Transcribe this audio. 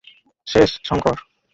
শেষ, শঙ্কর।